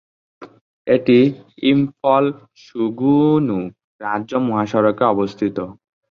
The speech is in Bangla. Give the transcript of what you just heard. এটি ইম্ফল-সুগুনু রাজ্য মহাসড়কে অবস্থিত।